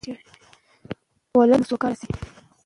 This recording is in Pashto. ولس مو سوکاله شي.